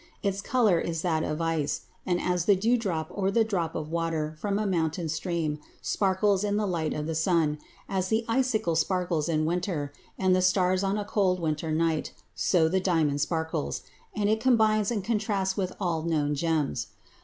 Its color is that of ice, and as the dewdrop or the drop of water from a mountain stream sparkles in the light of the sun, as the icicle sparkles in winter, and the stars on a cold winter night, so the diamond sparkles, and it combines and contrasts with all known gems.